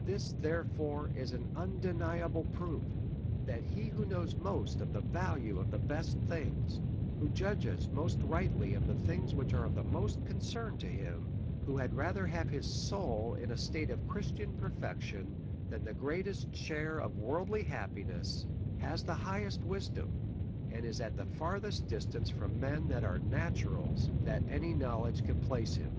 This therefore is an undeniable proof, that he who knows most of the value of the best things, who judges most rightly of the things DEVOUT AND HOLY LIFE. 347 which are of most concern to him, who had rather have his soul in a state of Christian perfection, than the greatest share of worldly happiness, has the high est wisdom, and is at the farthest distance from men that are naturals, that any knowledge can place him.